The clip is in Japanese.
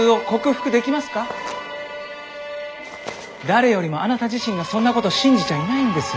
誰よりもあなた自身がそんなこと信じちゃいないんですよ。